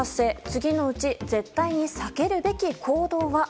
次のうち絶対に避けるべき行動は？